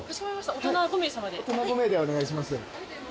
大人５名でお願いします。